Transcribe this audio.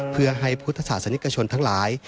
เพื่อให้พุทธศาสนิกชนทั้งหลาย